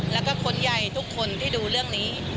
แล้วก็คนใหญ่ทุกคนที่ดูเรื่องนี้